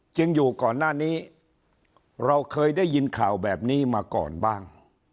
อยู่ก่อนหน้านี้เราเคยได้ยินข่าวแบบนี้มาก่อนบ้าง